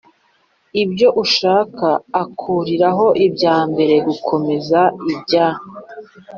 ibyo ushaka Akuriraho ibya mbere gukomeza ibya